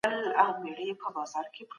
سوسياليستي فکر د بشر ضياع ده.